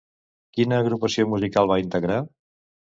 Quina agrupació musical va integrar?